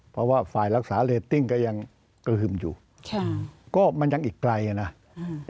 เพราะว่าฝ่ายรักษาเรตติ้งก็ยังกระหึ่มอยู่ค่ะก็มันยังอีกไกลอ่ะนะอืม